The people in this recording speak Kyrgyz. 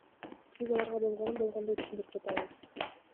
Биз аларга болгонун болгондой түшүндүрүп жатабыз.